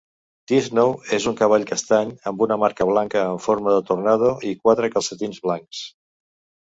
Tiznow és un cavall castany amb una marca blanca en forma de tornado i quatre calcetins blancs.